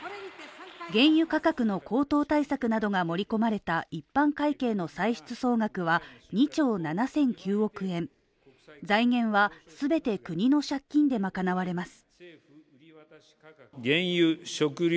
原油価格の高騰対策などが盛り込まれた一般会計の歳出総額は２兆７００９億円財源は全て国の借金で賄われます。